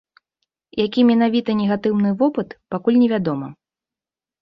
Які менавіта негатыўны вопыт, пакуль невядома.